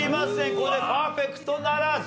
ここでパーフェクトならず。